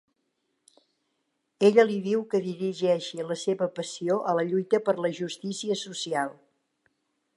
Ella li diu que dirigeixi la seva passió a la lluita per la justícia social.